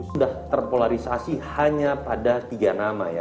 sudah terpolarisasi hanya pada tiga nama ya